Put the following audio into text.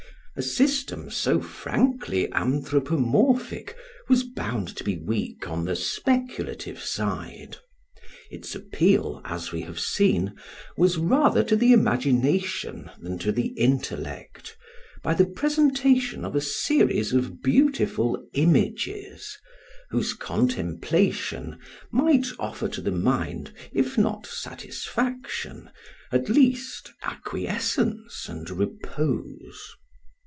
A system so frankly anthropomorphic was bound to be weak on the speculative side. Its appeal, as we have seen, was rather to the imagination than to the intellect, by the presentation of a series of beautiful images, whose contemplation might offer to the mind if not satisfaction, at least acquiescence and repose.